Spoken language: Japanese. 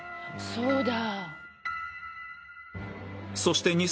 そうだ。